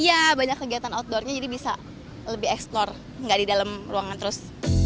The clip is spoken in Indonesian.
iya banyak kegiatan outdoornya jadi bisa lebih eksplor nggak di dalam ruangan terus